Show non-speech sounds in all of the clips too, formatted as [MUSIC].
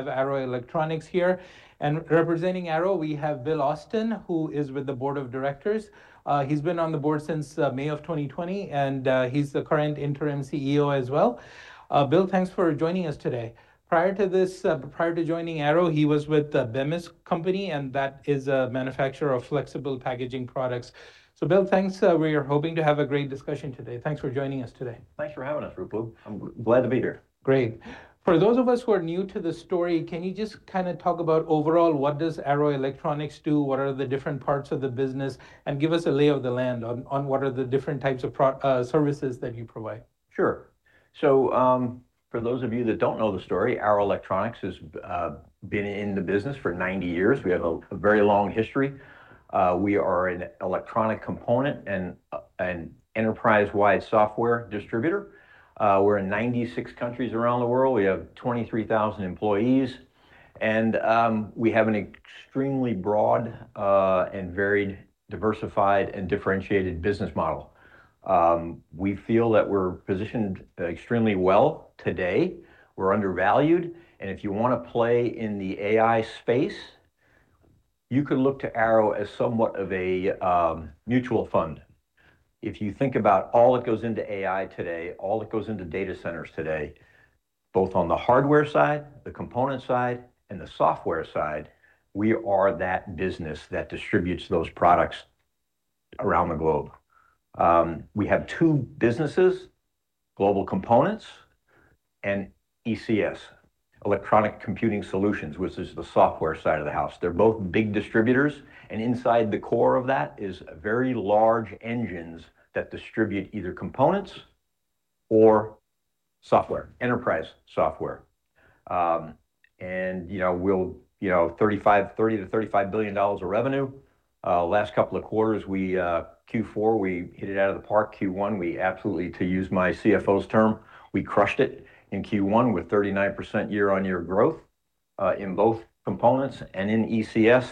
Have Arrow Electronics here. Representing Arrow, we have Bill Austen, who is with the Board of Directors. He's been on the Board since May of 2020, and he's the current Interim CEO as well. Bill, thanks for joining us today. Prior to joining Arrow, he was with the Bemis Company, and that is a manufacturer of flexible packaging products. Bill, thanks. We are hoping to have a great discussion today. Thanks for joining us today. Thanks for having us, Ruplu. I'm glad to be here. Great. For those of us who are new to the story, can you just talk about overall, what does Arrow Electronics do, what are the different parts of the business, and give us a lay of the land on what are the different types of services that you provide? Sure. For those of you that don't know the story, Arrow Electronics has been in the business for 90 years. We have a very long history. We are an electronic component and enterprise-wide software distributor. We're in 96 countries around the world. We have 23,000 employees, and we have an extremely broad and varied diversified and differentiated business model. We feel that we're positioned extremely well today. We're undervalued, and if you want to play in the AI space, you could look to Arrow as somewhat of a mutual fund. If you think about all that goes into AI today, all that goes into data centers today, both on the hardware side, the component side, and the software side, we are that business that distributes those products around the globe. We have two businesses, Global Components and ECS, Enterprise Computing Solutions, which is the software side of the house. They're both big distributors. Inside the core of that is very large engines that distribute either components or software, enterprise software. We'll- $30 billion-$35 billion of revenue. Last couple of quarters, Q4, we hit it out of the park. Q1, we absolutely, to use my CFO's term, we crushed it in Q1 with 39% year-on-year growth, in both components and in ECS,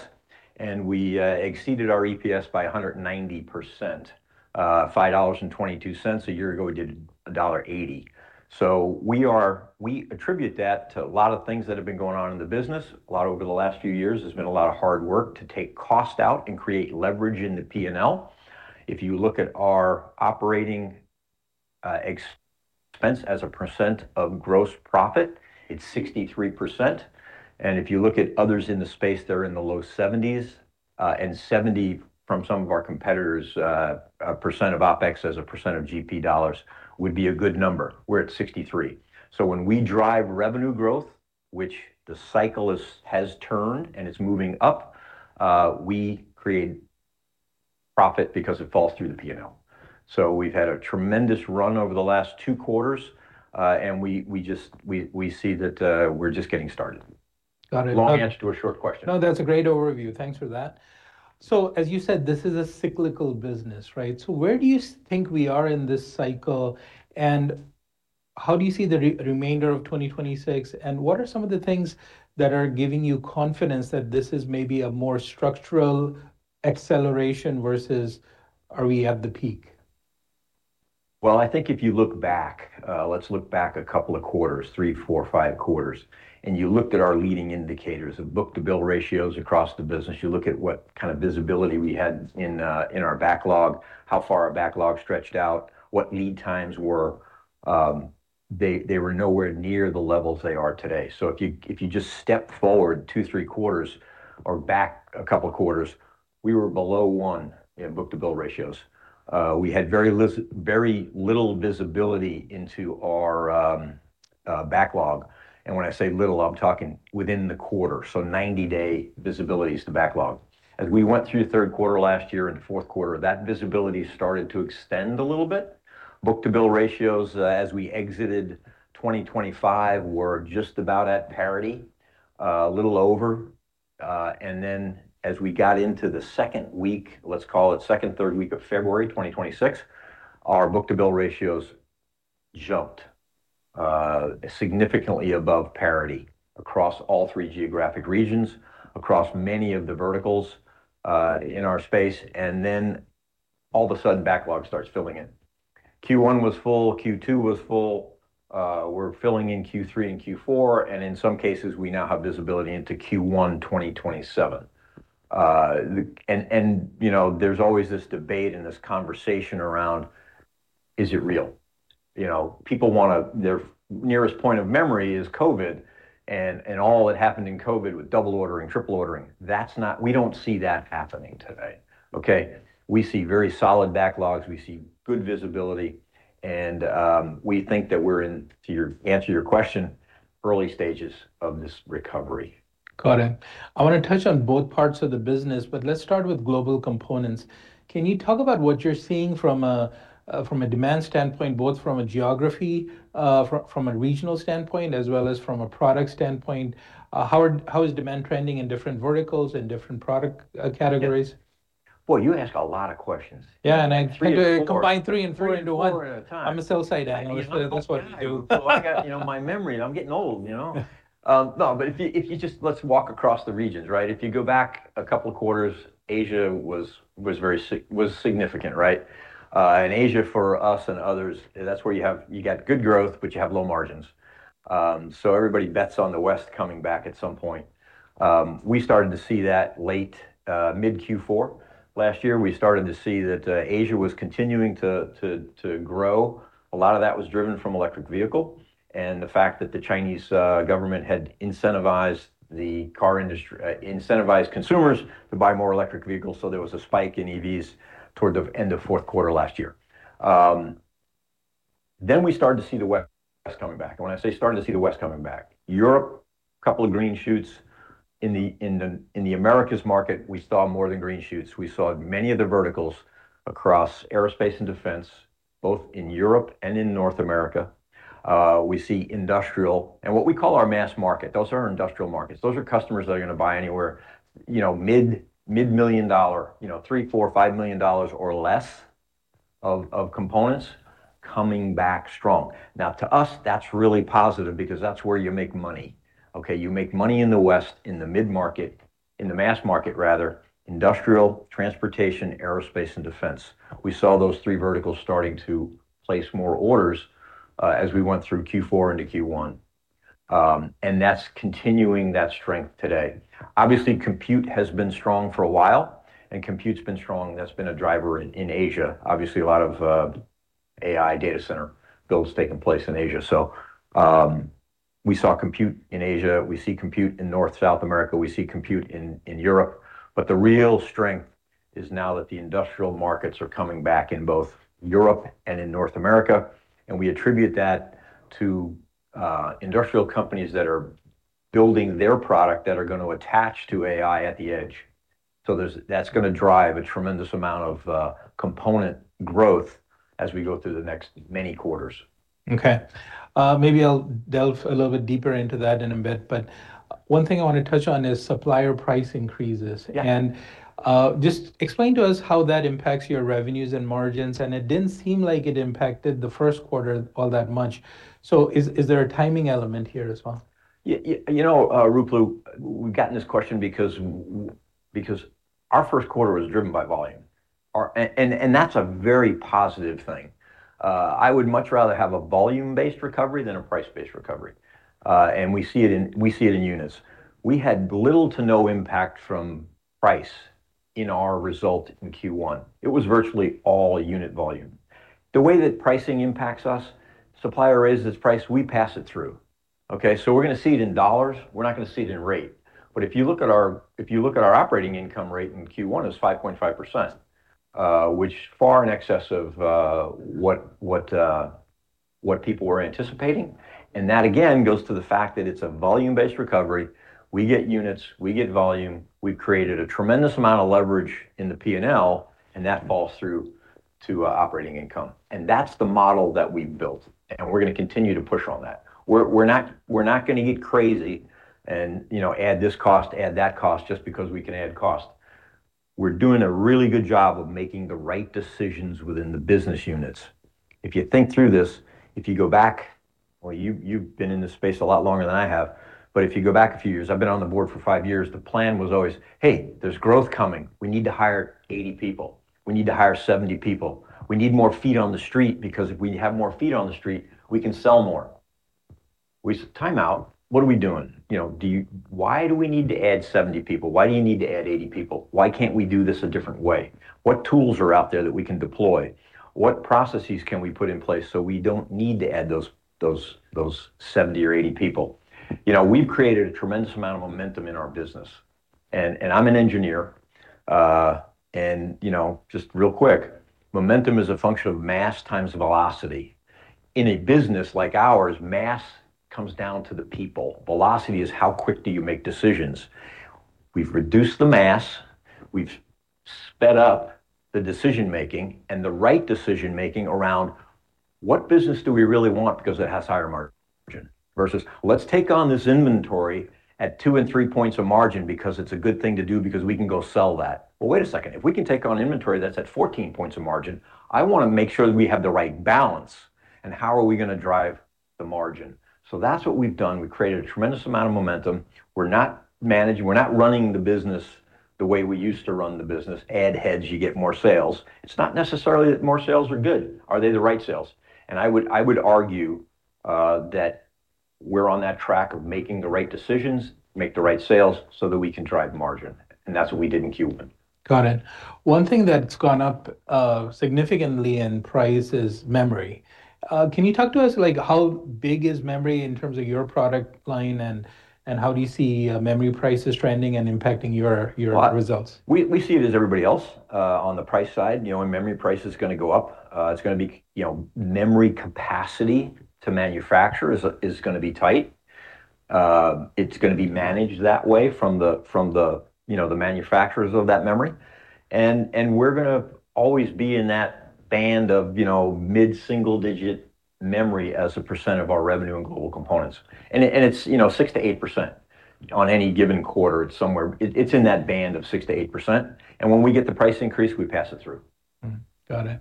and we exceeded our EPS by 190%. $5.22. A year ago, we did $1.80. We attribute that to a lot of things that have been going on in the business. A lot over the last few years has been a lot of hard work to take cost out and create leverage in the P&L. If you look at our operating expense as a percent of gross profit, it's 63%. If you look at others in the space, they're in the low 70%s. 70% from some of our competitors, OpEx as a percent of GP dollars would be a good number. We're at 63%. When we drive revenue growth, which the cycle has turned and it's moving up, we create profit because it falls through the P&L. We've had a tremendous run over the last two quarters. We see that we're just getting started. Got it. Long answer to a short question. No, that's a great overview. Thanks for that. As you said, this is a cyclical business, right? Where do you think we are in this cycle, and how do you see the remainder of 2026, and what are some of the things that are giving you confidence that this is maybe a more structural acceleration versus are we at the peak? I think if you look back, let's look back a couple of quarters, three, four, five quarters, and you looked at our leading indicators of book-to-bill ratios across the business. You look at what kind of visibility we had in our backlog, how far our backlog stretched out, what lead times were. They were nowhere near the levels they are today. If you just step forward two, three quarters or back a couple of quarters, we were below one in book-to-bill ratios. We had very little visibility into our backlog. When I say little, I'm talking within the quarter, 90-day visibility is the backlog. As we went through the third quarter last year into fourth quarter, that visibility started to extend a little bit. Book-to-bill ratios, as we exited 2025, were just about at parity, a little over. As we got into the second week, let's call it second, third week of February 2026, our book-to-bill ratios jumped significantly above parity across all three geographic regions, across many of the verticals in our space. All of a sudden, backlog starts filling in. Q1 was full, Q2 was full. We're filling in Q3 and Q4, and in some cases, we now have visibility into Q1 2027. There's always this debate and this conversation around is it real? Their nearest point of memory is COVID and all that happened in COVID with double ordering, triple ordering. We don't see that happening today. Okay? We see very solid backlogs. We see good visibility, and we think that we're in, to answer your question, early stages of this recovery. Got it. I want to touch on both parts of the business, but let's start with Global Components. Can you talk about what you're seeing from a demand standpoint, both from a geography, from a regional standpoint, as well as from a product standpoint? How is demand trending in different verticals and different product categories? Boy, you ask a lot of questions. Yeah. Three or four. Combined three and four into one. Three and four at a time. I'm a sell-side analyst, obviously, that's what I do. I got my memory, and I'm getting old. Let's walk across the regions, right? If you go back a couple of quarters, Asia was significant, right? In Asia, for us and others, that's where you got good growth, but you have low margins. Everybody bets on the West coming back at some point. We started to see that late, mid Q4. Last year, we started to see that Asia was continuing to grow. A lot of that was driven from electric vehicle and the fact that the Chinese government had incentivized consumers to buy more electric vehicles, so there was a spike in EVs toward the end of fourth quarter last year. We started to see the West coming back, and when I say, "Started to see the West coming back," Europe, couple of green shoots. In the Americas market, we saw more than green shoots. We saw many of the verticals across aerospace and defense, both in Europe and in North America. We see industrial and what we call our mass market. Those are our industrial markets. Those are customers that are going to buy anywhere mid-million dollar, $3 million, $4 million, $5 million or less of components coming back strong. To us, that's really positive because that's where you make money. Okay? You make money in the West, in the mid-market, in the mass market, rather, industrial, transportation, aerospace, and defense. We saw those three verticals starting to place more orders as we went through Q4 into Q1, and that's continuing that strength today. Compute has been strong for a while, that's been a driver in Asia. A lot of AI data center builds taking place in Asia. We saw compute in Asia. We see compute in North, South America. We see compute in Europe. The real strength is now that the industrial markets are coming back in both Europe and in North America, and we attribute that to industrial companies that are building their product that are going to attach to AI at the edge. That's going to drive a tremendous amount of component growth as we go through the next many quarters. Okay. Maybe I'll delve a little bit deeper into that in a bit, but one thing I want to touch on is supplier price increases. Yeah. Just explain to us how that impacts your revenues and margins, and it didn't seem like it impacted the first quarter all that much. Is there a timing element here as well? You know, Ruplu, we've gotten this question because our first quarter was driven by volume. That's a very positive thing. I would much rather have a volume-based recovery than a price-based recovery. We see it in units. We had little to no impact from price in our result in Q1. It was virtually all unit volume. The way that pricing impacts us, supplier raises price, we pass it through. Okay. We're going to see it in dollars. We're not going to see it in rate. If you look at our operating income rate in Q1 is 5.5%, which far in excess of what people were anticipating, and that, again, goes to the fact that it's a volume-based recovery. We get units, we get volume, we've created a tremendous amount of leverage in the P&L, and that falls through to operating income. That's the model that we've built, and we're going to continue to push on that. We're not going to get crazy and add this cost, add that cost, just because we can add cost. We're doing a really good job of making the right decisions within the business units. If you think through this, if you go back, well, you've been in this space a lot longer than I have, but if you go back a few years, I've been on the board for five years, the plan was always, "Hey, there's growth coming. We need to hire 80 people. We need to hire 70 people. We need more feet on the street because if we have more feet on the street, we can sell more." We said, "Timeout. What are we doing? Why do we need to add 70 people? Why do you need to add 80 people? Why can't we do this a different way? What tools are out there that we can deploy? What processes can we put in place so we don't need to add those 70 or 80 people? We've created a tremendous amount of momentum in our business. I'm an engineer, and just real quick, momentum is a function of mass times velocity. In a business like ours, mass comes down to the people. Velocity is how quick do you make decisions. We've reduced the mass, we've sped up the decision-making, and the right decision-making around what business do we really want because it has higher margin, versus let's take on this inventory at two and three points of margin because it's a good thing to do because we can go sell that. Well, wait a second. If we can take on inventory that's at 14 points of margin, I want to make sure that we have the right balance, and how are we going to drive the margin? That's what we've done. We've created a tremendous amount of momentum. We're not running the business the way we used to run the business, add heads, you get more sales. It's not necessarily that more sales are good. Are they the right sales? I would argue that we're on that track of making the right decisions, make the right sales, so that we can drive margin. That's what we did in Q1. Got it. One thing that's gone up significantly in price is memory. Can you talk to us, like how big is memory in terms of your product line, and how do you see memory prices trending and impacting your results? We see it as everybody else, on the price side. When memory price is going to go up, it's going to be memory capacity to manufacture is going to be tight. It's going to be managed that way from the manufacturers of that memory, and we're going to always be in that band of mid-single digit memory as a percent of our revenue and Global Components. It's 6% to 8% on any given quarter. It's in that band of 6% to 8%, and when we get the price increase, we pass it through. Got it.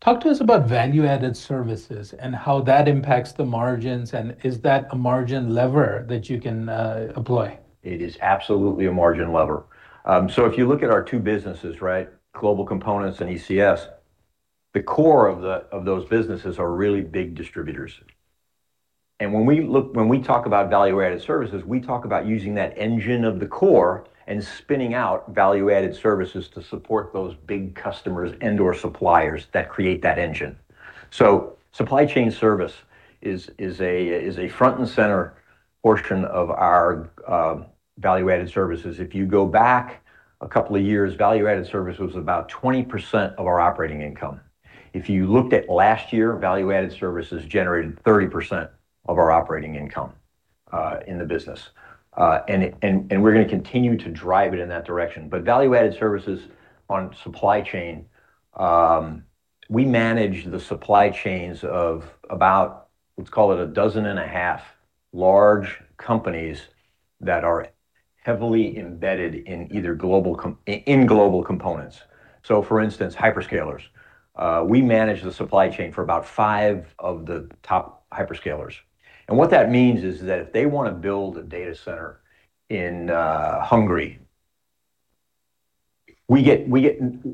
Talk to us about value-added services and how that impacts the margins, and is that a margin lever that you can employ? It is absolutely a margin lever. If you look at our two businesses, Global Components and ECS, the core of those businesses are really big distributors. When we talk about value-added services, we talk about using that engine of the core and spinning out value-added services to support those big customers and/or suppliers that create that engine. Supply chain service is a front-and-center portion of our value-added services. If you go back a couple of years, value-added service was about 20% of our operating income. If you looked at last year, value-added services generated 30% of our operating income in the business. We're going to continue to drive it in that direction, but value-added services on supply chain, we manage the supply chains of about, let's call it a dozen and a half large companies that are heavily embedded in Global Components. For instance, hyperscalers. We manage the supply chain for about five of the top hyperscalers, and what that means is that if they want to build a data center in Hungary, we get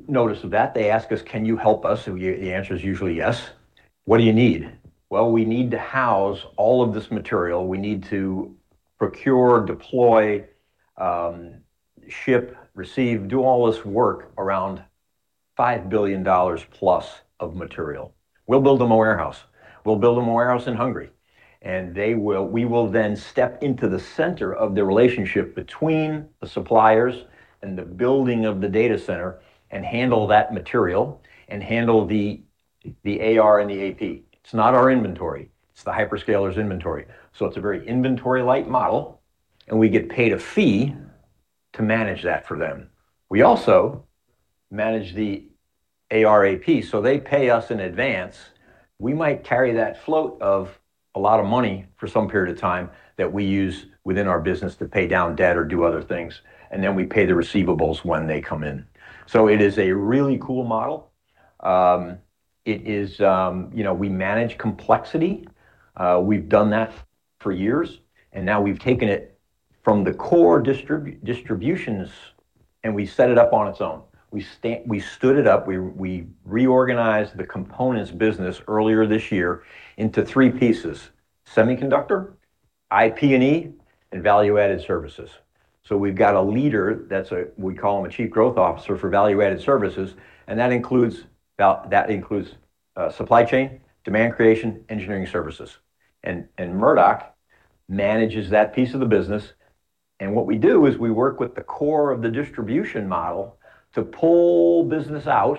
notice of that. They ask us, "Can you help us?" The answer is usually yes. "What do you need?" "Well, we need to house all of this material. We need to procure, deploy, ship, receive, do all this work around $5 billion plus of material." We'll build them a warehouse. We'll build them a warehouse in Hungary, and we will then step into the center of the relationship between the suppliers and the building of the data center and handle that material and handle the AR and the AP. It's not our inventory. It's the hyperscalers' inventory. It's a very inventory-light model, and we get paid a fee to manage that for them. We also manage the AR AP. They pay us in advance. We might carry that float of a lot of money for some period of time that we use within our business to pay down debt or do other things, and then we pay the receivables when they come in. It is a really cool model. We manage complexity. We've done that for years, and now we've taken it from the core distributions, and we set it up on its own. We stood it up. We reorganized the components business earlier this year into three pieces, semiconductor, IP&E, and value-added services. We've got a leader, we call him a chief growth officer for value-added services, and that includes supply chain, demand creation, engineering services, and Murdoch manages that piece of the business. What we do is we work with the core of the distribution model to pull business out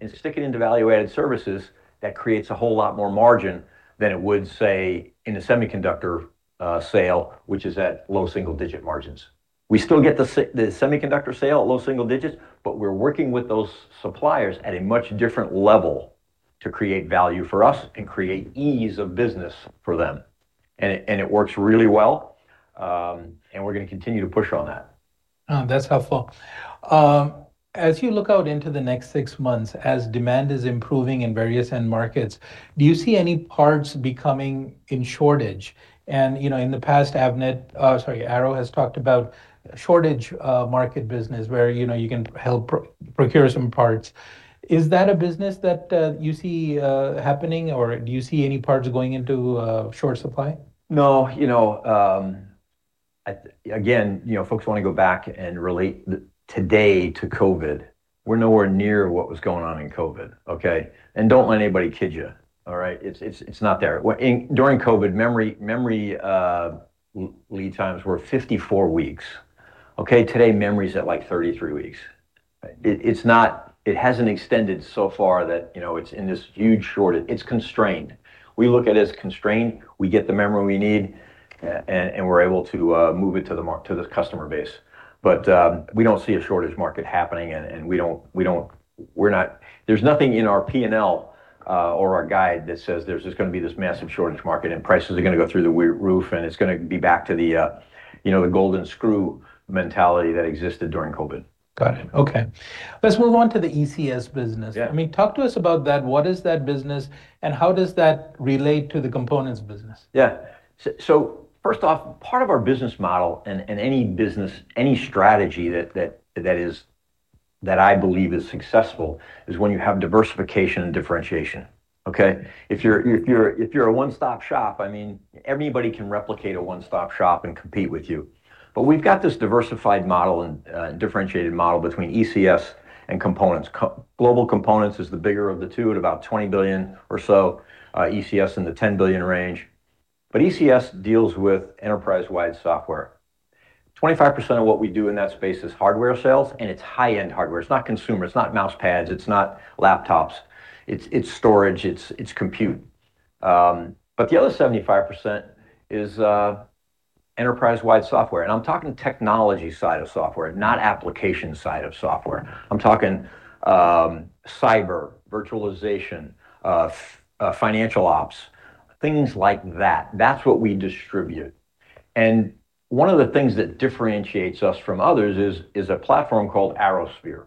and stick it into value-added services. That creates a whole lot more margin than it would, say, in a semiconductor sale, which is at low single-digit margins. We still get the semiconductor sale at low single digits, but we're working with those suppliers at a much different level to create value for us and create ease of business for them, and it works really well. We're going to continue to push on that. That's helpful. As you look out into the next six months, as demand is improving in various end markets, do you see any parts becoming in shortage? In the past, Avnet, sorry, Arrow has talked about shortage market business where you can help procure some parts. Is that a business that you see happening, or do you see any parts going into short supply? No. Folks want to go back and relate today to COVID. We're nowhere near what was going on in COVID. Don't let anybody kid you. All right. It's not there. During COVID, memory lead times were 54 weeks. Okay. Today, memory's at like 33 weeks. It hasn't extended so far that it's in this huge shortage. It's constrained. We look at it as constrained. We get the memory we need, and we're able to move it to the customer base. We don't see a shortage market happening, and there's nothing in our P&L, or our guide that says there's just going to be this massive shortage market, and prices are going to go through the roof, and it's going to be back to the golden screw mentality that existed during COVID. Got it. Okay. Let's move on to the ECS business. Yeah. Talk to us about that. What is that business, and how does that relate to the components business? First off, part of our business model and any business, any strategy that I believe is successful is when you have diversification and differentiation, okay? If you're a one-stop shop, everybody can replicate a one-stop shop and compete with you. We've got this diversified model and differentiated model between ECS and components. Global Components is the bigger of the two at about $20 billion or so, ECS in the $10 billion range. ECS deals with enterprise-wide software. 25% of what we do in that space is hardware sales, and it's high-end hardware. It's not consumer. It's not mouse pads. It's not laptops. It's storage. It's compute. The other 75% is Enterprise-wide software, and I'm talking technology side of software, not application side of software. I'm talking cyber virtualization, Financial Ops, things like that. That's what we distribute. One of the things that differentiates us from others is a platform called ArrowSphere.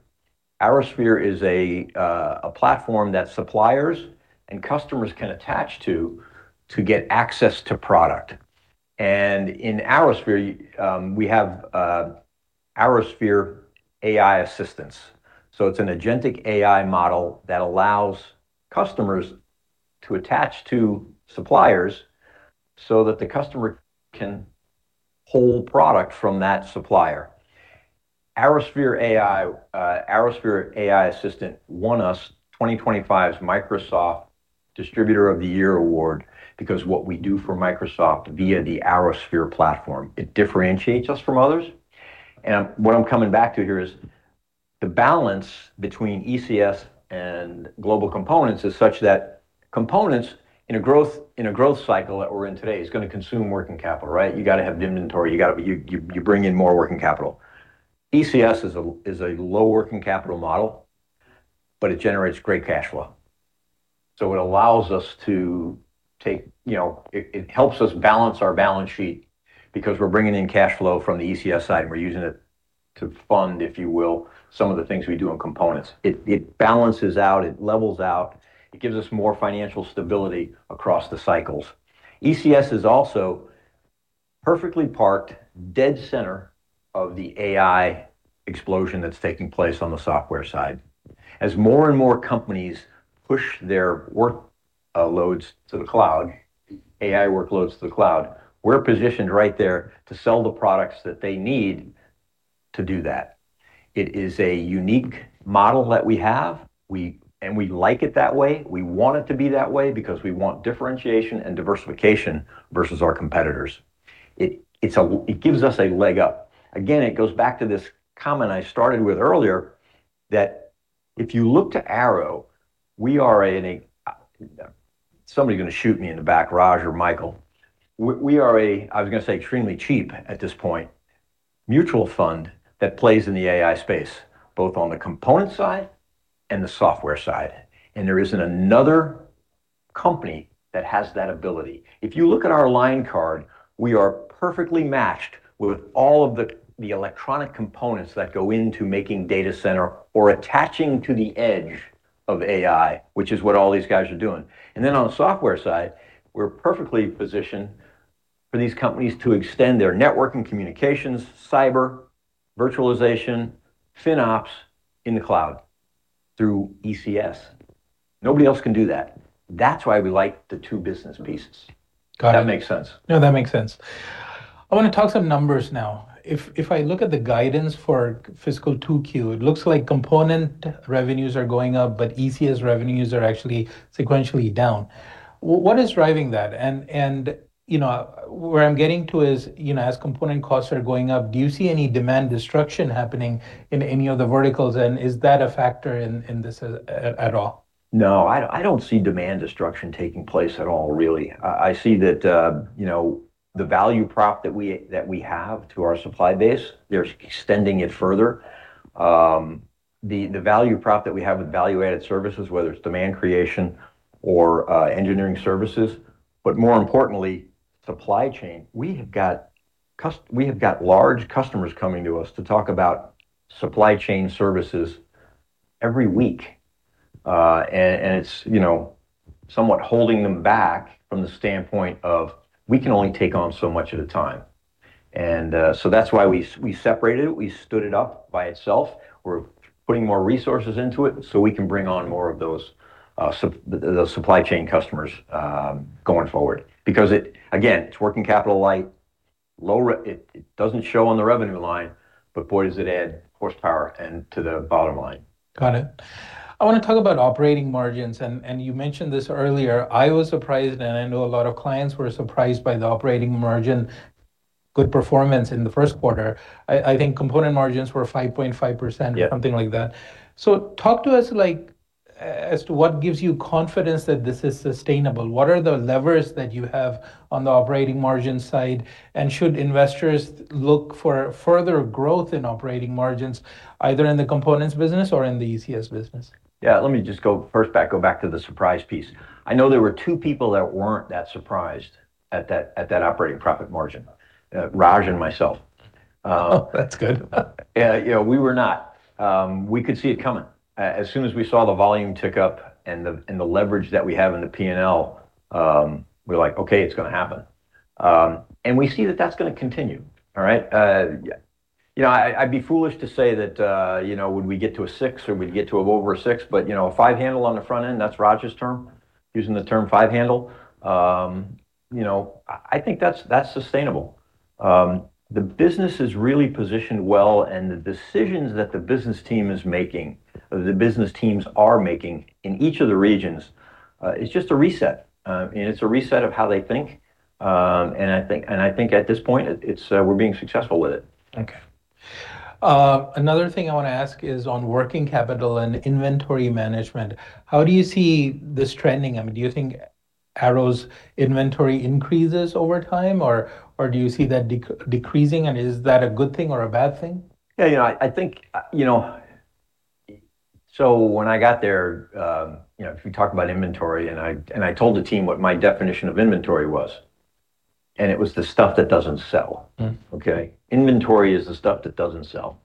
ArrowSphere is a platform that suppliers and customers can attach to get access to product. In ArrowSphere, we have ArrowSphere Assistant. It's an Agentic AI model that allows customers to attach to suppliers so that the customer can hold product from that supplier. ArrowSphere Assistant won us 2025's Microsoft Distributor of the Year award because what we do for Microsoft via the ArrowSphere platform, it differentiates us from others. What I'm coming back to here is the balance between ECS and Global Components is such that components in a growth cycle that we're in today, is going to consume working capital, right? You got to have inventory. You bring in more working capital. ECS is a low working capital model, but it generates great cash flow. It helps us balance our balance sheet because we're bringing in cash flow from the ECS side, and we're using it to fund, if you will, some of the things we do in components. It balances out, it levels out, it gives us more financial stability across the cycles. ECS is also perfectly parked dead center of the AI explosion that's taking place on the software side. As more and more companies push their workloads to the cloud, AI workloads to the cloud, we're positioned right there to sell the products that they need to do that. It is a unique model that we have, and we like it that way. We want it to be that way because we want differentiation and diversification versus our competitors. It gives us a leg up. It goes back to this comment I started with earlier, that if you look to Arrow, we are Somebody's going to shoot me in the back, Raj or Michael. We are a, I was going to say extremely cheap at this point, mutual fund that plays in the AI space, both on the component side and the software side. There isn't another company that has that ability. If you look at our line card, we are perfectly matched with all of the electronic components that go into making data center or attaching to the edge of AI, which is what all these guys are doing. On the software side, we're perfectly positioned for these companies to extend their network and communications, cyber, virtualization, FinOps in the cloud through ECS. Nobody else can do that. That's why we like the two business pieces. Got it. That makes sense. No, that makes sense. I want to talk some numbers now. If I look at the guidance for fiscal 2Q, it looks like component revenues are going up, but ECS revenues are actually sequentially down. What is driving that? Where I'm getting to is, as component costs are going up, do you see any demand destruction happening in any of the verticals? Is that a factor in this at all? No, I don't see demand destruction taking place at all, really. I see that the value prop that we have to our supply base, they're extending it further. The value prop that we have with value-added services, whether it's demand creation or engineering services, but more importantly, supply chain. We have got large customers coming to us to talk about supply chain services every week. It's somewhat holding them back from the standpoint of we can only take on so much at a time. That's why we separated it. We stood it up by itself. We're putting more resources into it so we can bring on more of those supply chain customers going forward. Because again, it's working capital light, it doesn't show on the revenue line, but boy, does it add horsepower and to the bottom line. Got it. I want to talk about operating margins, and you mentioned this earlier. I was surprised, and I know a lot of clients were surprised by the operating margin good performance in the first quarter. I think component margins were 5.5%- Yeah. ...or something like that. Talk to us as to what gives you confidence that this is sustainable. What are the levers that you have on the operating margin side? Should investors look for further growth in operating margins, either in the components business or in the ECS business? Yeah, let me just go back to the surprise piece. I know there were two people that weren't that surprised at that operating profit margin, Raj and myself. Oh, that's good. Yeah, we were not. We could see it coming. As soon as we saw the volume tick up and the leverage that we have in the P&L, we're like, "Okay, it's going to happen." We see that that's going to continue. All right? I'd be foolish to say that would we get to a six or we'd get to over a six, but a five handle on the front end, that's Raj's term, using the term five handle. I think that's sustainable. The business is really positioned well and the decisions that the business team is making, or the business teams are making in each of the regions, it's just a reset. It's a reset of how they think. I think at this point, we're being successful with it. Okay. Another thing I want to ask is on working capital and inventory management, how do you see this trending? Do you think Arrow's inventory increases over time or do you see that decreasing, and is that a good thing or a bad thing? Yeah. When I got there, if you talk about inventory, and I told the team what my definition of inventory was, and it was the stuff that doesn't sell. Okay. Inventory is the stuff that doesn't sell.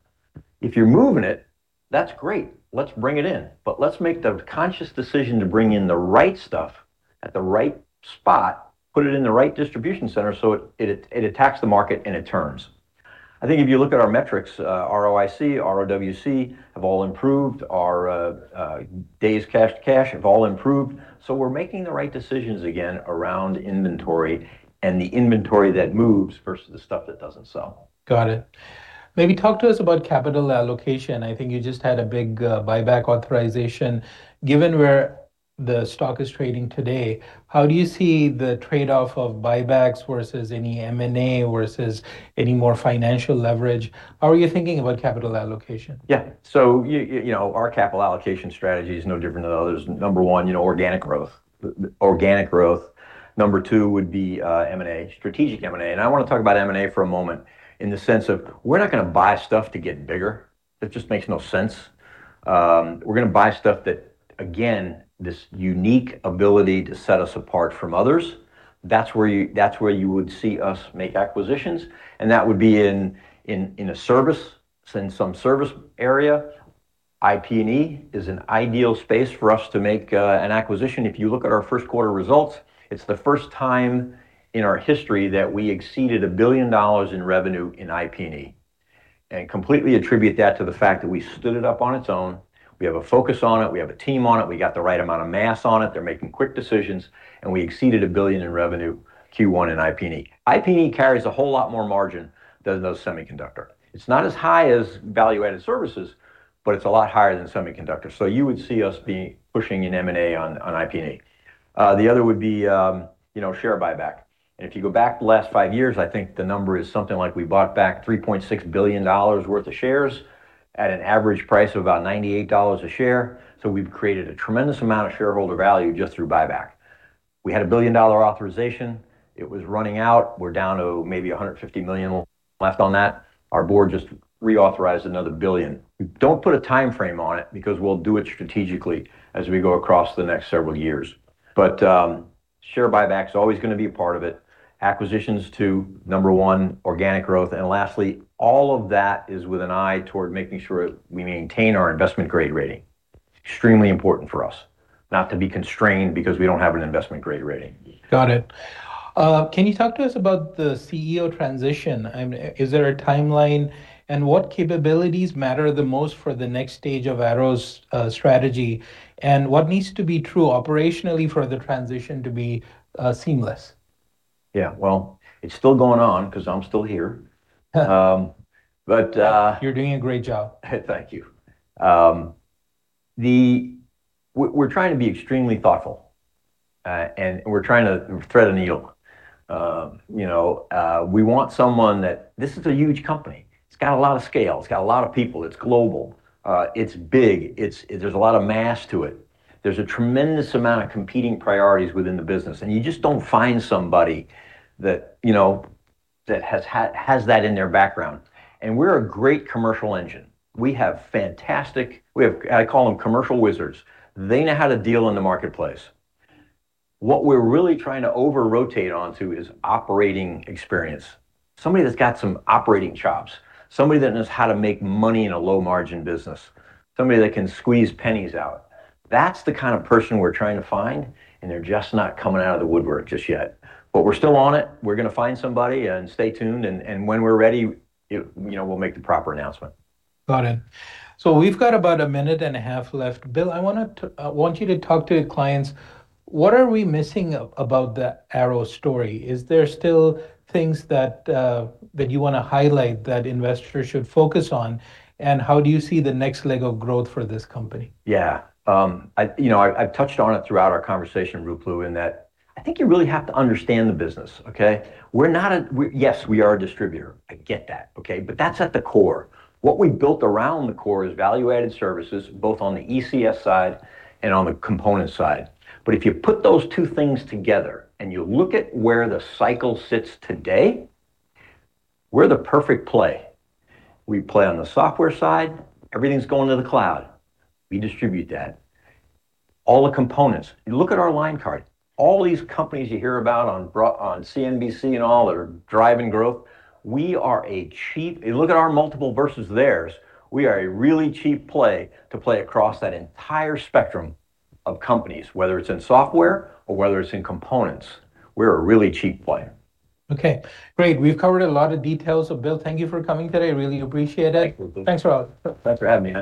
If you're moving it, that's great. Let's bring it in, but let's make the conscious decision to bring in the right stuff at the right spot, put it in the right distribution center so it attacks the market and it turns. I think if you look at our metrics, ROIC, ROWC, have all improved. Our days cash to cash have all improved. We're making the right decisions again around inventory and the inventory that moves versus the stuff that doesn't sell. Got it. Maybe talk to us about capital allocation. I think you just had a big buyback authorization. Given where the stock is trading today, how do you see the trade-off of buybacks versus any M&A versus any more financial leverage? How are you thinking about capital allocation? Our capital allocation strategy is no different than others. Number one, organic growth. Number two would be M&A, strategic M&A. I want to talk about M&A for a moment in the sense of we're not going to buy stuff to get bigger. It just makes no sense. We're going to buy stuff that, again, this unique ability to set us apart from others. That's where you would see us make acquisitions. That would be in some service area. IP&E is an ideal space for us to make an acquisition. If you look at our first quarter results, it's the first time in our history that we exceeded $1 billion in revenue in IP&E, and completely attribute that to the fact that we stood it up on its own, we have a focus on it, we have a team on it, we got the right amount of mass on it, they're making quick decisions, and we exceeded $1 billion in revenue Q1 in IP&E. IP&E carries a whole lot more margin than those semiconductor. It's not as high as value-added services, but it's a lot higher than semiconductor. You would see us pushing in M&A on IP&E. The other would be share buyback, and if you go back the last five years, I think the number is something like we bought back $3.6 billion worth of shares at an average price of about $98 a share. We've created a tremendous amount of shareholder value just through buyback. We had a billion-dollar authorization. It was running out. We're down to maybe $150 million left on that. Our board just reauthorized another $1 billion. We don't put a timeframe on it because we'll do it strategically as we go across the next several years. Share buyback is always going to be a part of it, acquisitions to, number one, organic growth, and lastly, all of that is with an eye toward making sure we maintain our investment-grade rating. Extremely important for us not to be constrained because we don't have an investment-grade rating. Got it. Can you talk to us about the CEO transition? Is there a timeline, and what capabilities matter the most for the next stage of Arrow's strategy, and what needs to be true operationally for the transition to be seamless? Yeah. Well, it's still going on because I'm still here. You're doing a great job. Thank you. We're trying to be extremely thoughtful, and we're trying to thread a needle. This is a huge company. It's got a lot of scale. It's got a lot of people. It's global. It's big. There's a lot of mass to it. There's a tremendous amount of competing priorities within the business, and you just don't find somebody that has that in their background. We're a great commercial engine. We have fantastic. I call them commercial wizards. They know how to deal in the marketplace. What we're really trying to over-rotate onto is operating experience. Somebody that's got some operating chops, somebody that knows how to make money in a low-margin business, somebody that can squeeze pennies out. That's the kind of person we're trying to find, and they're just not coming out of the woodwork just yet. We're still on it. We're going to find somebody, and stay tuned, and when we're ready, we'll make the proper announcement. Got it. We've got about a minute and a half left. Bill, I want you to talk to the clients. What are we missing about the Arrow story? Is there still things that you want to highlight that investors should focus on, and how do you see the next leg of growth for this company? Yeah. I've touched on it throughout our conversation, Ruplu, in that I think you really have to understand the business, okay? Yes, we are a distributor. I get that, okay? That's at the core. What we've built around the core is value-added services, both on the ECS side and on the component side. If you put those two things together and you look at where the cycle sits today, we're the perfect play. We play on the software side. Everything's going to the cloud. We distribute that. All the components. You look at our line card, all these companies you hear about on CNBC and all that are driving growth, you look at our multiple versus theirs, we are a really cheap play to play across that entire spectrum of companies, whether it's in software or whether it's in components. We're a really cheap play. Okay, great. We've covered a lot of details. Bill, thank you for coming today. I really appreciate it. Thank you. Thanks a lot. Thanks for having me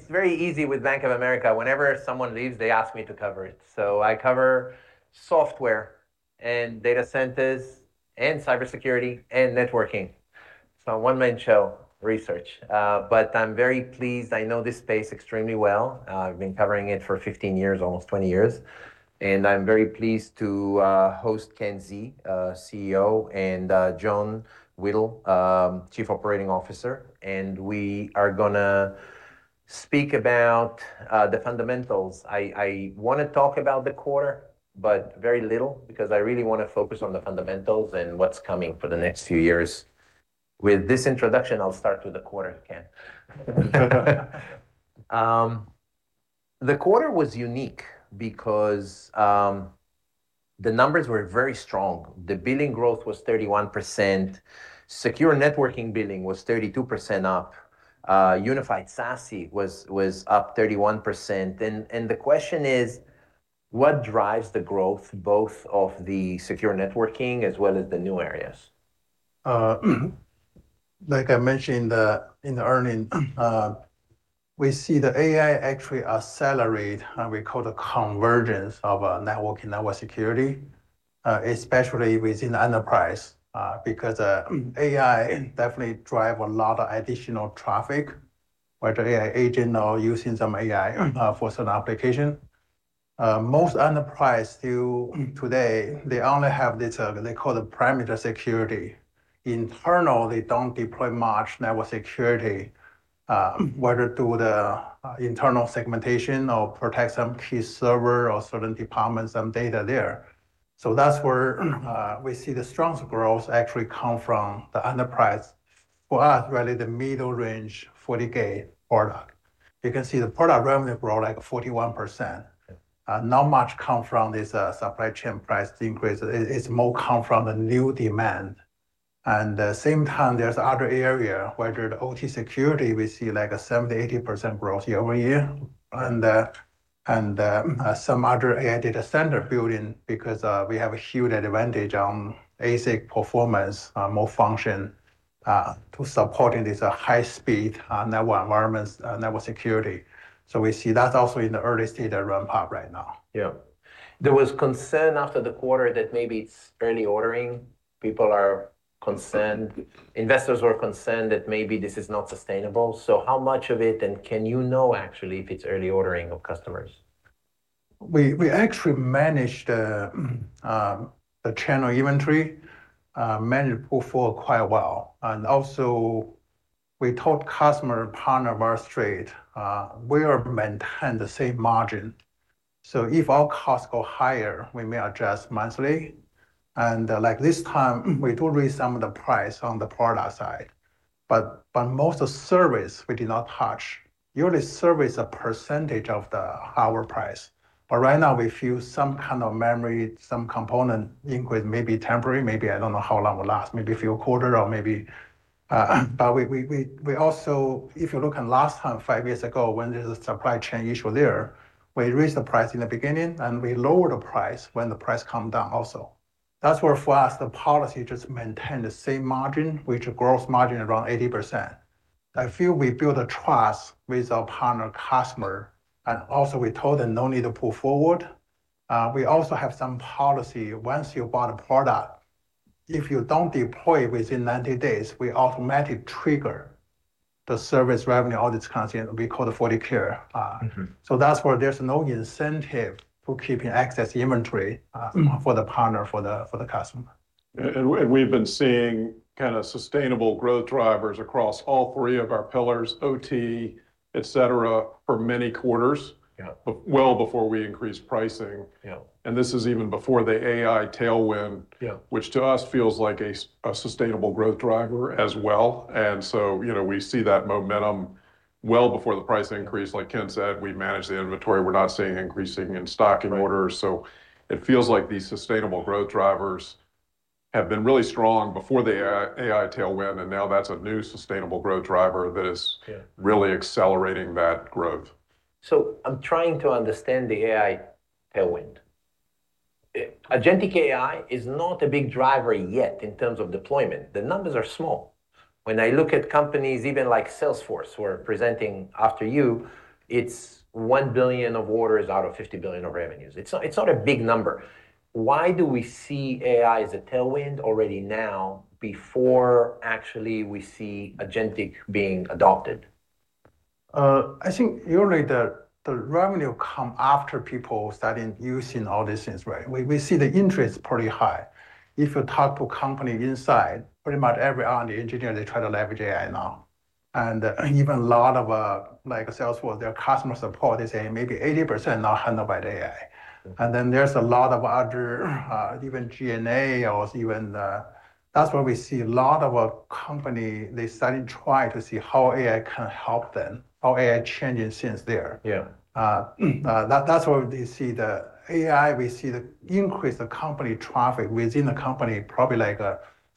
on. ...cybersecurity again. It's very easy with Bank of America. Whenever someone leaves, they ask me to cover it. I cover software, and data centers, and cybersecurity, and networking. It's a one-man show research. I'm very pleased. I know this space extremely well. I've been covering it for 15 years, almost 20 years, and I'm very pleased to host Ken Xie, CEO, and John Whittle, Chief Operating Officer. We are going to speak about the fundamentals. I want to talk about the quarter, but very little, because I really want to focus on the fundamentals and what's coming for the next few years. With this introduction, I'll start with the quarter, Ken. The quarter was unique because the numbers were very strong. The billing growth was 31%, secure networking billing was 32% up. Unified SASE was up 31%. The question is, what drives the growth both of the secure networking as well as the new areas? Like I mentioned in the earnings, we see the AI actually accelerate, we call it convergence of network and network security, especially within enterprise, because AI definitely drive a lot of additional traffic, whether AI agent or using some AI for certain application. Most enterprise still today, they only have what they call the perimeter security. Internal, they don't deploy much network security, whether through the internal segmentation or protect some key server or certain departments and data there. That's where we see the strongest growth actually come from the enterprise. For us, really the middle range, FortiGate product. You can see the product revenue grow like 41%. Not much come from this supply chain price increase. It's more come from the new demand. The same time, there's other area where the OT security, we see like a 70%-80% growth year-over-year. Some other AI data center building, because we have a huge advantage on ASIC performance, more function to supporting this high speed network environments, network security. We see that also in the early stage that ramp up right now. Yeah. There was concern after the quarter that maybe it's early ordering. People are concerned, investors were concerned that maybe this is not sustainable. How much of it, and can you know, actually, if it's early ordering of customers? We actually managed the channel inventory, managed pull-forward quite well. We told customer and partner very straight we are maintain the same margin. If our costs go higher, we may adjust monthly. Like this time, we do raise some of the price on the product side. Most of service we did not touch. Usually, service a percentage of the our price. Right now, we feel some kind of memory, some component increase, maybe temporary, maybe, I don't know how long will last, maybe a few quarter or maybe. We also, if you look at last time, five years ago, when there's a supply chain issue there, we raise the price in the beginning and we lower the price when the price come down also. That's where for us, the policy just maintain the same margin, which gross margin around 80%. I feel we build a trust with our partner customer, we also told them no need to pull forward. We also have some policy. Once you bought a product, if you don't deploy within 90 days, we automatically trigger the service revenue, all this content we call the FortiCare. That's why there's no incentive for keeping excess inventory for the partner, for the customer. We've been seeing sustainable growth drivers across all three of our pillars, OT, et cetera, for many quarters. Yeah. Well, before we increased pricing. Yeah. This is even before the AI tailwind. Yeah. which to us feels like a sustainable growth driver as well. We see that momentum well before the price increase. Like Ken said, we manage the inventory. We're not seeing increasing in stocking orders. Right. It feels like the sustainable growth drivers have been really strong before the AI tailwind, and now that's a new sustainable growth driver- Yeah. ...really accelerating that growth. I'm trying to understand the AI tailwind Agentic AI is not a big driver yet in terms of deployment. The numbers are small. When I look at companies, even like Salesforce, who are presenting after you, it is $1 billion of orders out of $50 billion of revenues. It is not a big number. Why do we see AI as a tailwind already now before actually we see Agentic being adopted? I think usually the revenue come after people starting using all these things, right? We see the interest pretty high. If you talk to company inside, pretty much every R&D engineer, they try to leverage AI now. Even a lot of Salesforce, their customer support, they say maybe 80% now handled by the AI. There's a lot of other even G&A. That's where we see a lot of company, they starting try to see how AI can help them, how AI changing things there. Yeah. That's where we see the AI, we see the increase of company traffic within the company, probably like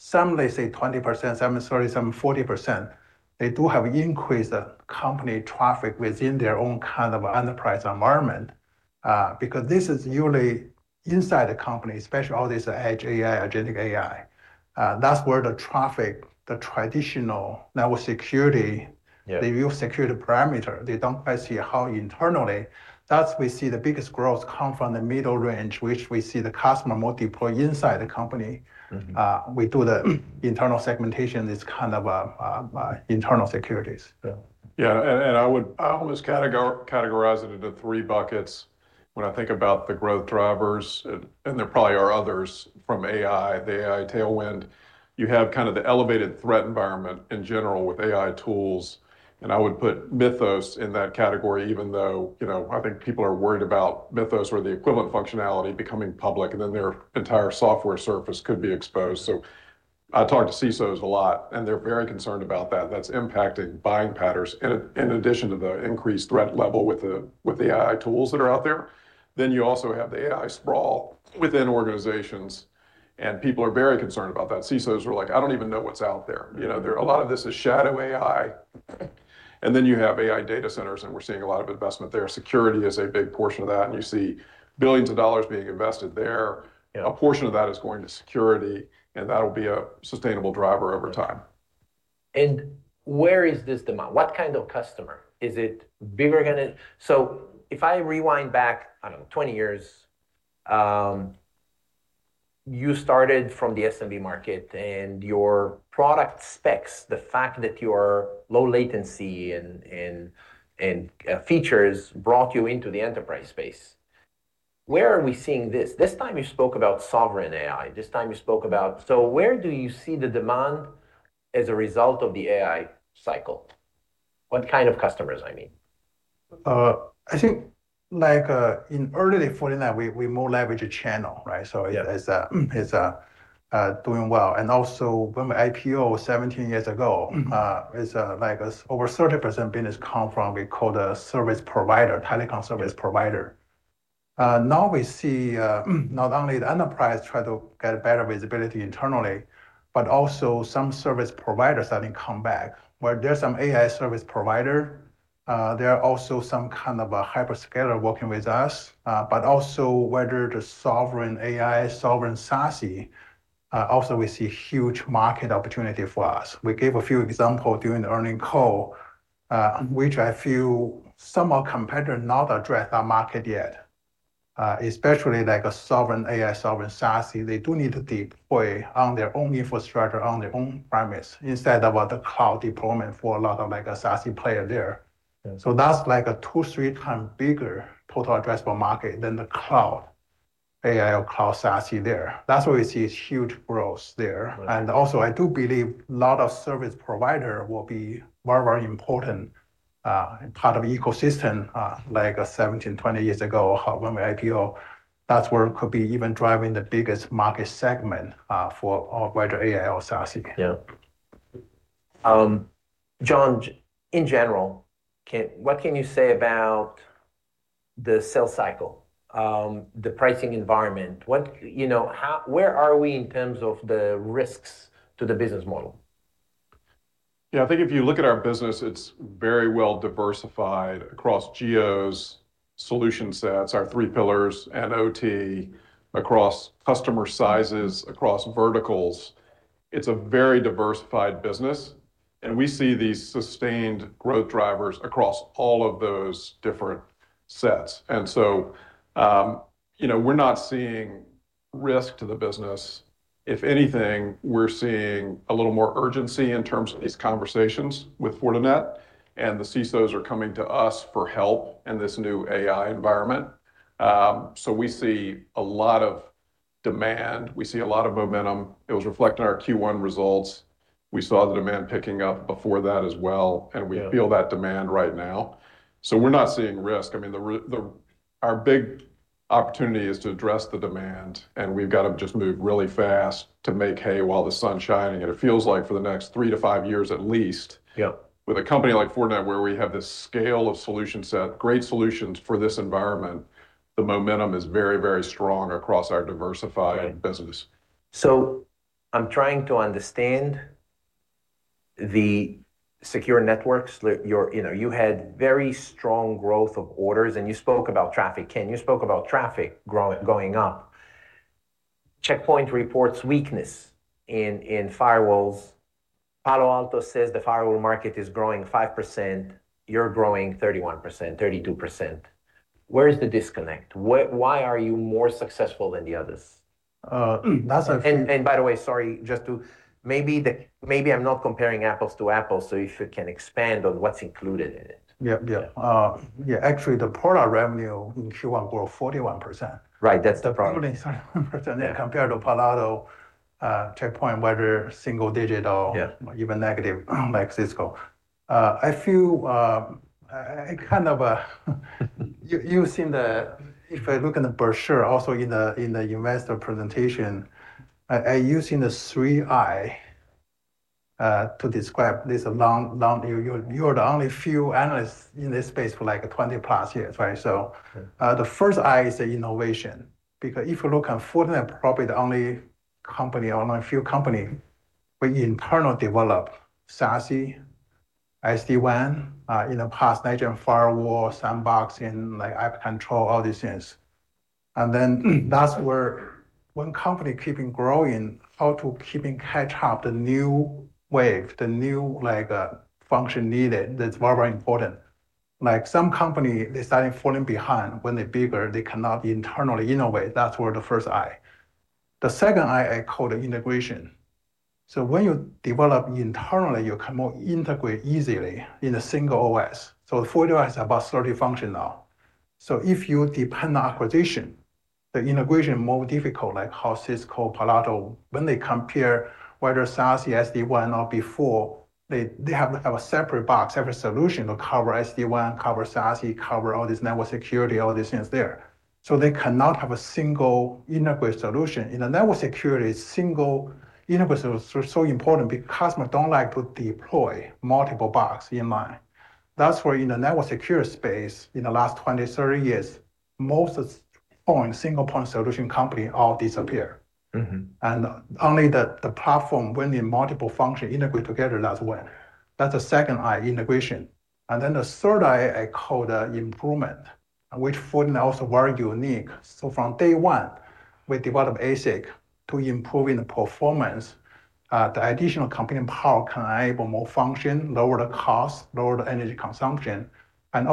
some may say 20%, some 30%, some 40%. They do have increased the company traffic within their own kind of enterprise environment, because this is usually inside the company, especially all this edge AI, Agentic AI. That's where the traffic, the traditional network security. Yeah. They view security perimeter. They don't quite see how internally. We see the biggest growth come from the middle range, which we see the customer more deploy inside the company. We do the internal segmentation. It's kind of internal securities. Yeah. Yeah. I would almost categorize it into three buckets when I think about the growth drivers, and there probably are others from AI, the AI tailwind. You have kind of the elevated threat environment in general with AI tools, and I would put Mythos in that category, even though I think people are worried about Mythos or the equivalent functionality becoming public, and then their entire software surface could be exposed. I talk to CISO a lot, and they're very concerned about that. That's impacting buying patterns in addition to the increased threat level with the AI tools that are out there. You also have the AI sprawl within organizations, and people are very concerned about that. CISO are like, "I don't even know what's out there." A lot of this is shadow AI. You have AI data centers, and we're seeing a lot of investment there. Security is a big portion of that, and you see billions of dollars being invested there. Yeah. A portion of that is going to security, and that'll be a sustainable driver over time. Yeah. Where is this demand? What kind of customer? If I rewind back, I don't know, 20 years, you started from the SMB market, and your product specs, the fact that you are low latency and features brought you into the enterprise space. Where are we seeing this? This time you spoke about Sovereign AI. Where do you see the demand as a result of the AI cycle? What kind of customers, I mean? I think in early Fortinet, we more leverage a channel, right? Yeah. It's doing well. Also when we IPO 17 years ago. It's like over 30% business come from we call the service provider, telecom service provider. We see, not only the enterprise try to get better visibility internally, but also some service providers starting come back, where there's some AI service provider. There are also some kind of a hyperscaler working with us. Also whether the Sovereign AI, Sovereign SASE, also we see huge market opportunity for us. We gave a few example during the earning call, which I feel some are competitor not address our market yet. Especially like a Sovereign AI, Sovereign SASE, they do need to deploy on their own infrastructure, on their own premise, instead of the cloud deployment for a lot of SASE player there. Yeah. That's like a two, three time bigger total addressable market than the cloud, AI or cloud SASE there. That's where we see it's huge growth there. Right. Also, I do believe lot of service provider will be very important, part of ecosystem, like 17, 20 years ago when we IPO. That's where it could be even driving the biggest market segment for whether AI or SASE. Yeah. John, in general, what can you say about the sales cycle, the pricing environment? Where are we in terms of the risks to the business model? Yeah. I think if you look at our business, it's very well diversified across geos, solution sets, our three pillars, and OT, across customer sizes, across verticals. It's a very diversified business, and we see these sustained growth drivers across all of those different sets. We're not seeing risk to the business. If anything, we're seeing a little more urgency in terms of these conversations with Fortinet, and the CISOs are coming to us for help in this new AI environment. We see a lot of demand. We see a lot of momentum. It was reflected in our Q1 results. We saw the demand picking up before that as well. Yeah. We feel that demand right now. We're not seeing risk. Our big opportunity is to address the demand, and we've got to just move really fast to make hay while the sun's shining. It feels like for the next three to five years at least- Yeah. ...with a company like Fortinet where we have this scale of solution set, great solutions for this environment, the momentum is very, very strong across our diversified business. I'm trying to understand. The secure networks, you had very strong growth of orders, and you spoke about traffic, Ken. You spoke about traffic going up. Check Point reports weakness in firewalls. Palo Alto says the firewall market is growing 5%, you're growing 31%, 32%. Where is the disconnect? Why are you more successful than the others? That's a- By the way, sorry, maybe I'm not comparing apples to apples, so if you can expand on what's included in it. Yeah. Actually, the product revenue in Q1 grew 41%. Right, that's the product. 41%. Yeah, compared to Palo Alto, Check Point, whether single digit or- Yeah. ...even negative, like Cisco. If I look in the brochure, also in the investor presentation, using the Three Is to describe this long You're the only few analysts in this space for 20+ years, right? The first I is the innovation, because if you look at Fortinet, probably the only company, or one of few company, we internal develop SASE, SD-WAN, in the past, next-gen firewall, sandbox, and app control, all these things. That's where one company keeping growing, how to keeping catch up the new wave, the new function needed, that's very, very important. Some company, they're starting falling behind. When they're bigger, they cannot internally innovate. That's where the first I. The second I call the integration. When you develop internally, you cannot integrate easily in a single OS. Fortinet has about 30 function now. If you depend on acquisition, the integration more difficult, like how Cisco, Palo Alto, when they compare whether SASE, SD-WAN, or before, they have a separate box, separate solution to cover SD-WAN, cover SASE, cover all this network security, all these things there. They cannot have a single integrated solution. In a network security, single universal is so important because customer don't like to deploy multiple box in mind. That's where, in the network security space, in the last 20, 30 years, most point, single-point solution company all disappear. Only the platform when the multiple function integrate together, that's when that's the second I, integration. The third I call the improvement, which Fortinet also very unique. From day one, we develop ASIC to improving the performance. The additional computing power can enable more function, lower the cost, lower the energy consumption. We are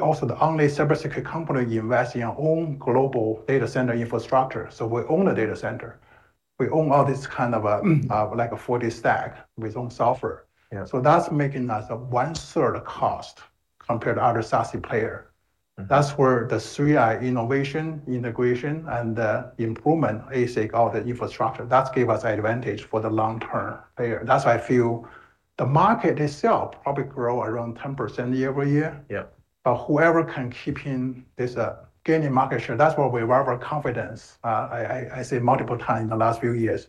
also the only cybersecurity company investing in our own global data center infrastructure. We own the data center. We own all this FortiStack with own software. Yeah. That's making us one third cost compared to other SASE player. That's where the Three Is, innovation, integration, and the improvement, ASIC, all the infrastructure, that give us advantage for the long term. That's why I feel the market itself probably grow around 10% every year. Yeah. Whoever can keeping this, gaining market share, that's where we have our confidence. I say multiple time in the last few years,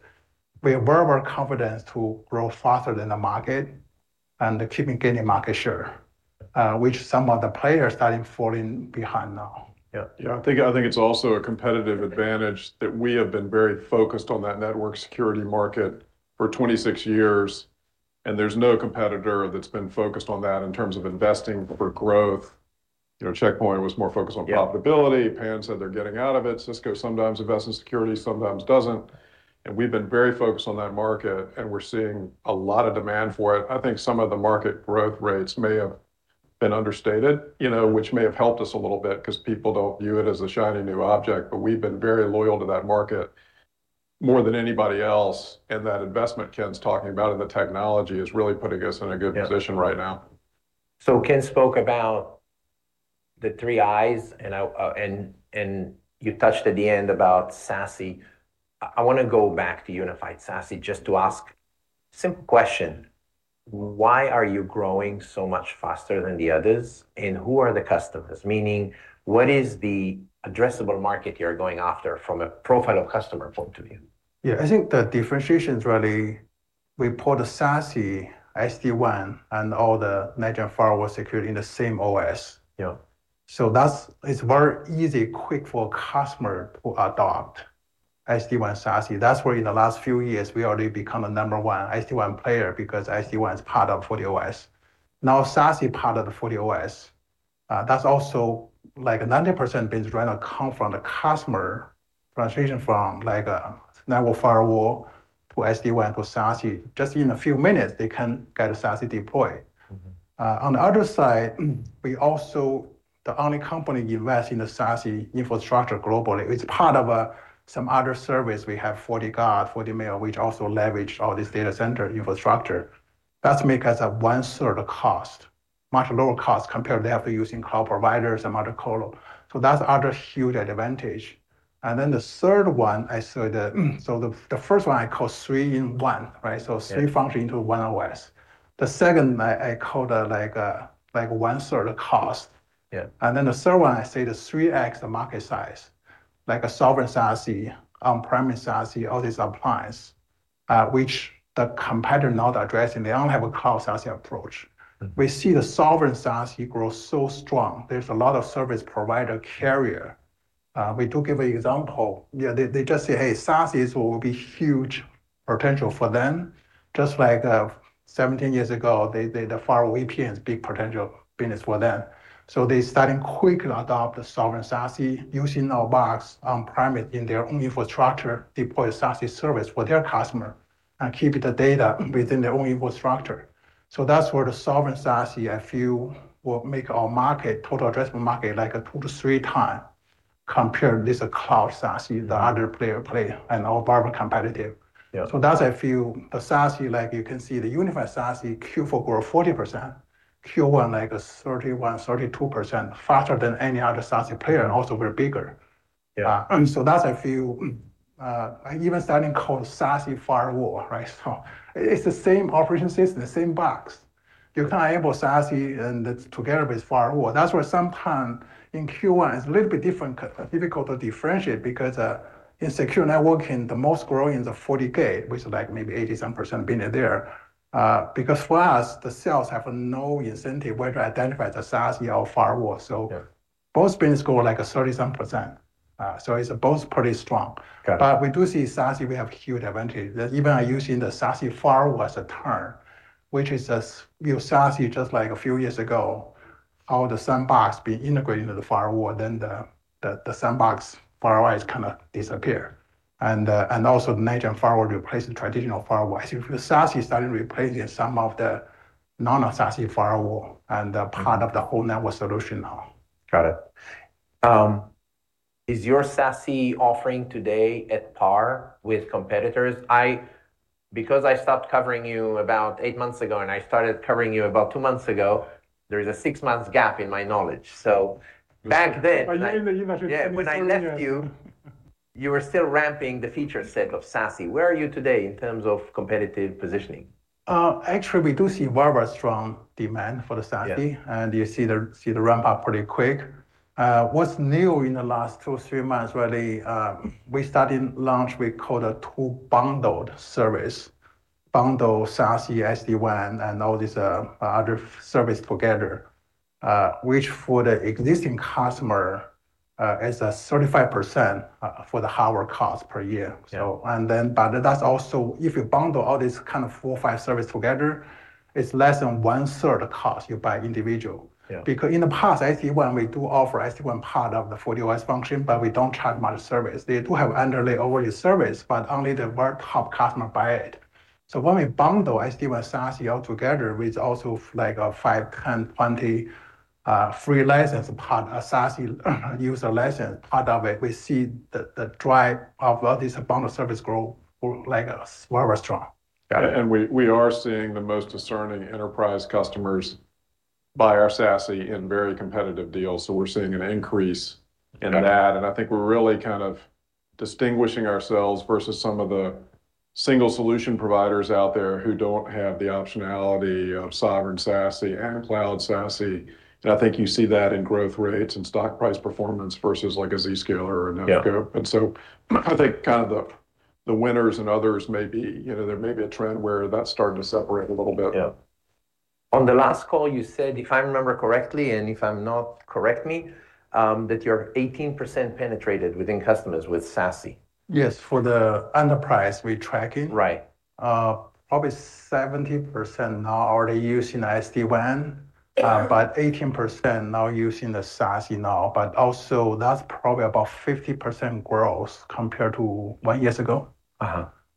we have very strong confidence to grow faster than the market and keeping gaining market share, which some of the players starting falling behind now. Yeah. Yeah, I think it's also a competitive advantage that we have been very focused on that network security market for 26 years, there's no competitor that's been focused on that in terms of investing for growth. Check Point was more focused on profitability. Yeah. PAN said they're getting out of it. Cisco sometimes invests in security, sometimes doesn't. We've been very focused on that market, and we're seeing a lot of demand for it. I think some of the market growth rates may have been understated, which may have helped us a little bit because people don't view it as a shiny new object. We've been very loyal to that market more than anybody else, and that investment Ken's talking about and the technology is really putting us in a good position right now. Ken spoke about the Three Is, and you touched at the end about SASE. I want to go back to unified SASE just to ask simple question. Why are you growing so much faster than the others, and who are the customers? Meaning, what is the addressable market you're going after from a profile of customer point of view? I think the differentiation's really we put the SASE, SD-WAN, and all the Next-generation firewall security in the same OS. Yeah. It's very easy, quick for customer to adopt SD-WAN, SASE. That's why in the last few years, we already become a number one SD-WAN player, because SD-WAN is part of FortiOS. Now SASE part of the FortiOS. That's also, 90% business right now come from the customer transition from network firewall to SD-WAN to SASE. Just in a few minutes, they can get a SASE deployed. On the other side, we also the only company invest in the SASE infrastructure globally. It's part of some other service we have, FortiGuard, FortiMail, which also leverage all this data center infrastructure. That make us one third cost, much lower cost compared to after using cloud providers and other colo. That's other huge advantage. The third one, so the first one I call three in one, right? Three function into one OS. The second I call the one third cost. Yeah. The third one, I say the 3x the market size, like a sovereign SASE, on-premise SASE, all these appliance, which the competitor not addressing. They only have a cloud SASE approach. We see the sovereign SASE grow so strong. There's a lot of service provider. We do give an example. Yeah, they just say, hey, SASE will be huge potential for them, just like 17 years ago, the firewall VPN was a big potential business for them. They're starting to quickly adopt the sovereign SASE using our box on-premise in their own infrastructure, deploy a SASE service for their customer, and keep the data within their own infrastructure. That's where the sovereign SASE, I feel, will make our total addressable market two to three times compared this cloud SASE, the other player, and our barbell competitive. Yeah. That's a few SASE. You can see the unified SASE Q4 grow 40%, Q1 like 31%-32%, faster than any other SASE player, and also we're bigger. Yeah. That's a few. Even starting called SASE firewall, right? It's the same operating system, the same box. You can enable SASE and together with firewall. That's why sometimes in Q1 it's a little bit difficult to differentiate because in secure networking, the most growing is the FortiGate, which is maybe 87% business there. For us, the sales have no incentive whether to identify the SASE or firewall. Yeah. Both business grow like 37%. It's both pretty strong. Got it. We do see SASE, we have huge advantage. Even using the SASE firewall as a term, which is a real SASE, just like a few years ago, how the sandbox been integrated into the firewall, then the sandbox firewalls kind of disappear. Also the Next-gen firewall replace the traditional firewall. SASE started replacing some of the non-SASE firewall and part of the whole network solution now. Got it. Is your SASE offering today at par with competitors? Because I stopped covering you about eight months ago, and I started covering you about two months ago, there is a six-month gap in my knowledge. You have to tell me, yes. When I left you were still ramping the feature set of SASE. Where are you today in terms of competitive positioning? Actually, we do see very strong demand for the SASE. Yeah. You see the ramp up pretty quick. What's new in the last two, three months, really, we started launch we call a two bundled service, bundle SASE, SD-WAN, and all these other service together, which for the existing customer, is a 35% for the hardware cost per year. Yeah. That's also if you bundle all these four or five services together, it's less than one third the cost you buy individual. Yeah. In the past, SD-WAN, we do offer SD-WAN part of the FortiOS function, but we don't have much service. They do have underlying already service, but only the world top customer buy it. When we bundle SD with SASE all together, with also a [AUDIO DISTORTION] free license as part of SASE user license, part of it we see the drive of all this bundled service grow very strong. Got it. We are seeing the most discerning enterprise customers buy our SASE in very competitive deals. We're seeing an increase in that, I think we're really distinguishing ourselves versus some of the single solution providers out there who don't have the optionality of Sovereign SASE and cloud SASE. I think you see that in growth rates and stock price performance versus like a Zscaler or a Netskope. Yeah. I think the winners and others, there may be a trend where that's starting to separate a little bit. Yeah. On the last call, you said, if I remember correctly, and if I'm not, correct me, that you're 18% penetrated within customers with SASE. Yes. For the enterprise we're tracking. Right. Probably 70% now already using SD-WAN. 18% now using the SASE now. Also that's probably about 50% growth compared to one years ago.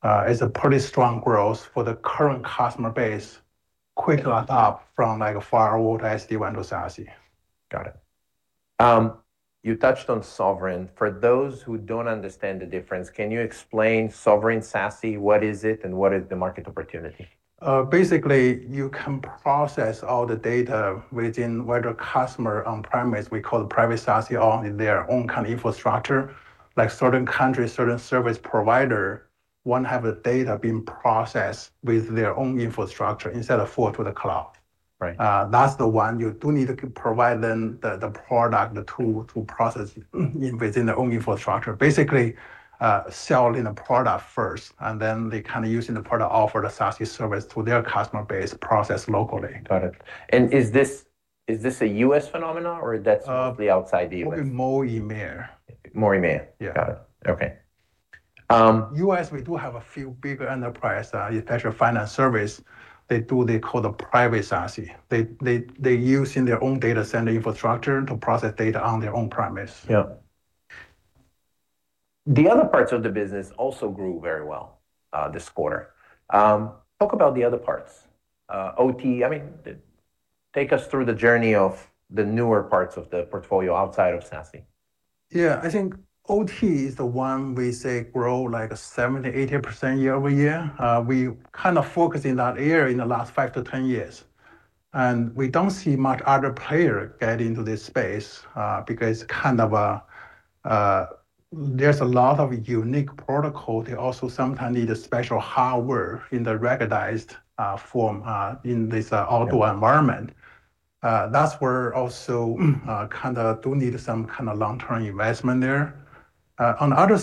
It's a pretty strong growth for the current customer base, quickly adopt from like a firewall to SD-WAN to SASE. Got it. You touched on Sovereign. For those who don't understand the difference, can you explain Sovereign SASE? What is it, and what is the market opportunity? Basically, you can process all the data within where the customer on premise, we call the Private SASE, all in their own kind of infrastructure. Like certain countries, certain service provider, want to have the data being processed with their own infrastructure instead of forward to the cloud. Right. That's the one you do need to provide them the product, the tool to process within their own infrastructure. Basically, selling a product first, and then they kind of using the product offer the SASE service to their customer base processed locally. Got it. Is this a U.S. phenomenon or that's completely outside the U.S.? Would be more EMEA. More EMEA? Yeah. Got it. Okay. U.S., we do have a few bigger enterprise, especially finance service. They do, they call the Private SASE. They use in their own data center infrastructure to process data on their own premise. Yeah. The other parts of the business also grew very well this quarter. Talk about the other parts. OT. Take us through the journey of the newer parts of the portfolio outside of SASE. Yeah. I think OT is the one we say grow like a 70%-80% year-over-year. We kind of focus in that area in the last five to 10 years. We don't see much other player get into this space, because there's a lot of unique protocol. They also sometimes need a special hardware in the ruggedized form, in this outdoor environment. That's where also do need some kind of long-term investment there. On other-